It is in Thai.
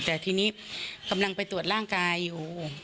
แต่ทีนี้กำลังไปตรวจร่างกายอยู่